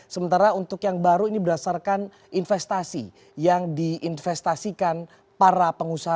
sementara untuk yang baru ini berdasarkan investasi yang diinvestasikan para pengusaha